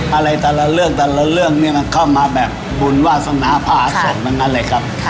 อะไรแต่ละเรื่องมันเข้ามาแบบบุญวาสนาผ่าส่งต่างเลยครับ